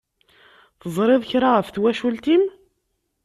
Teẓṛiḍ kra ɣef twacult-im?